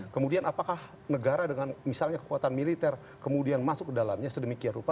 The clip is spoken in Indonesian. kemudian apakah negara dengan misalnya kekuatan militer kemudian masuk ke dalamnya sedemikian rupa